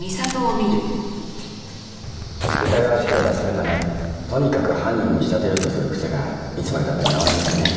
疑わしきを罰するためとにかく犯人に仕立てようとする癖がいつまで経っても直りませんね